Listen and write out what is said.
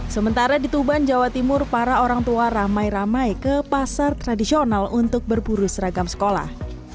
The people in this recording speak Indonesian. sementara di tuban jawa timur para orang tua ramai ramai ke pasar tradisional untuk berburu seragam sekolah